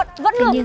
dậy không nghe